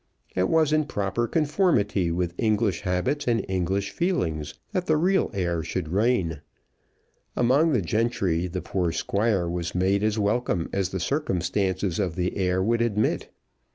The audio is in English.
It was in proper conformity with English habits and English feelings that the real heir should reign. Among the gentry the young Squire was made as welcome as the circumstances of the heir would admit.